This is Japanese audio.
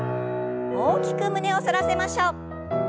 大きく胸を反らせましょう。